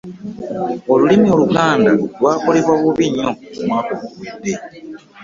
Olulimi Oluganda lwakolebwa bubi nnyo omwaka oguwedde.